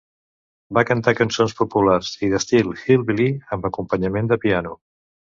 Va cantar cançons populars i d'estil "hillbilly" amb acompanyament de piano.